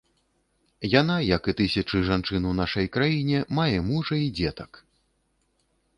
Яна, як і тысячы жанчын у нашай краіне, мае мужа і дзетак.